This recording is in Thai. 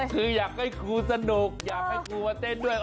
คืออยากให้ครูสนุกอยากให้ครูเต้นด้วย